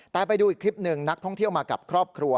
แต่ไปดูอีกคลิปหนึ่งนักท่องเที่ยวมากับครอบครัว